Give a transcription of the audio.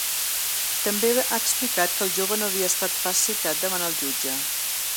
També ha explicat que el jove no havia estat pas citat davant el jutge.